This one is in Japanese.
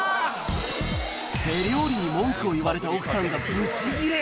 手料理に文句を言われた奥さんがブチギレ。